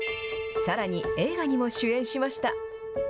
さらに映画にも主演しました。